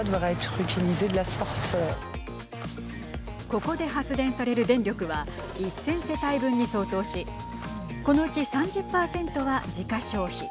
ここで発電される電力は１０００世帯分に相当しこのうち３０％は自家消費。